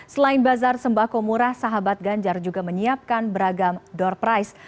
selain bazar sembako murah sahabat ganjar juga menyiapkan beragam door price